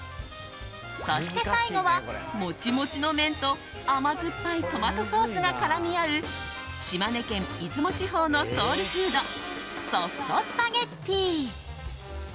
そして最後は、モチモチの麺と甘酸っぱいトマトソースが絡み合う、島根県出雲地方のソウルフードソフトスパゲッティ。